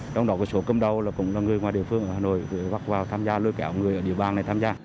trong đó có số công đô là cũng là người ngoài địa phương ở hà nội được bắt vào tham gia lôi kẹo người ở địa bàn này tham gia